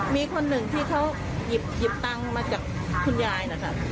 มีคนหนึ่งที่เขาหยิบตังค์มาจากคุณยายนะคะ